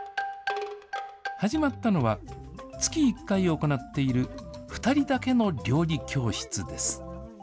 始まったのは、月１回行っている２人だけの料理教室です。